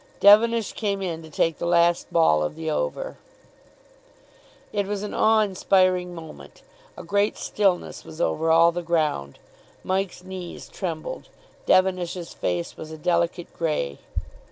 Devenish came in to take the last ball of the over. It was an awe inspiring moment. A great stillness was over all the ground. Mike's knees trembled. Devenish's face was a delicate grey.